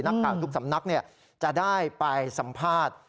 ทุกสำนักจะได้ไปสัมภาษณ์